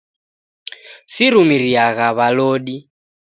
Sirumiriagha w'alodi.